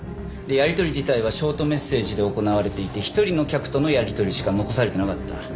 やり取り自体はショートメッセージで行われていて１人の客とのやり取りしか残されていなかった。